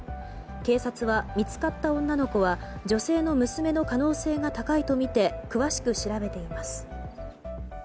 警察は、見つかった女の子は女性の娘の可能性が高いとみて詳しく調べています。